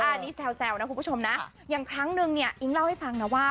อันนี้แซวนะคุณผู้ชมนะอย่างครั้งนึงเนี่ยอิ๊งเล่าให้ฟังนะว่า